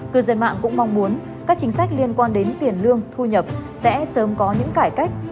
cư dân mạng cũng mong muốn các chính sách liên quan đến tiền lương thu nhập sẽ sớm có những cải cách